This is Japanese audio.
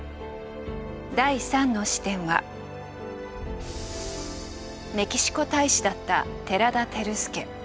第３の視点はメキシコ大使だった寺田輝介。